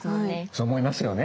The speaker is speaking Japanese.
そう思いますよね。